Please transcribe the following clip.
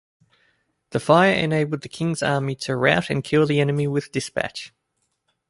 The fire enabled the king's army to rout and kill the enemy with dispatch.